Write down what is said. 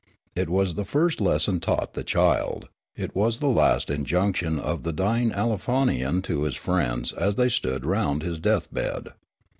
It was the first lesson taught the child ; it was the last injunction of the dying Aleo fanian to his friends as they stood round his death bed.